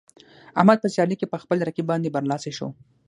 احمد په سیالۍ کې په خپل رقیب باندې برلاسی شو.